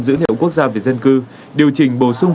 dữ liệu quốc gia về dân cư điều chỉnh bổ sung